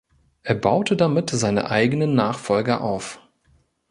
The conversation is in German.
Er baute damit seine eigenen Nachfolger auf.